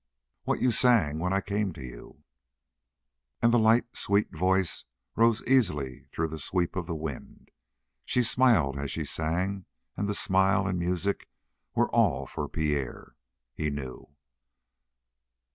"What you sang when I came to you." And the light, sweet voice rose easily through the sweep of the wind. She smiled as she sang, and the smile and music were all for Pierre, he knew.